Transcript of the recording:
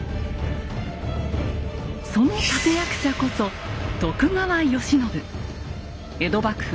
その立て役者こそ江戸幕府